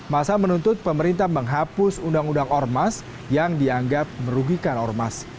masa menuntut pemerintah menghapus undang undang ormas yang dianggap merugikan ormas